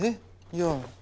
いや。